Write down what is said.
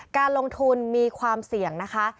การลงทุนมีความเสี่ยงนะคะ